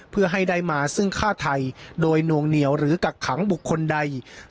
เพื่อให้ได้มาซึ่งฆ่าไทยโดยนวงเหนียวหรือกักขังบุคคลใด